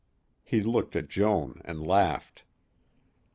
He looked at Joan and laughed.